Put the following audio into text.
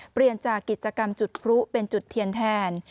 เปลี่ยนจากกิจกรรมจุดพลุเป็นจุดเทียนแทน